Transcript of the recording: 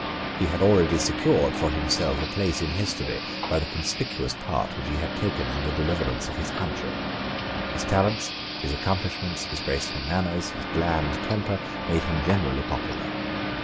He had already secured for himself a place in history by the conspicuous part which he had taken in the deliverance of his country. His talents, his accomplishments, his graceful manners, his bland temper, made him generally popular.